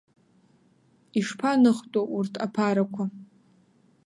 Ишԥаныхтәу урҭ аԥарақәа?